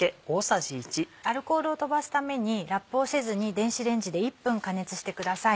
アルコールを飛ばすためにラップをせずに電子レンジで１分加熱してください。